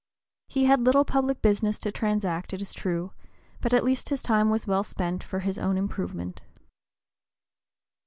He had little public business to transact, it is true; but at least his time was well spent for his own improvement.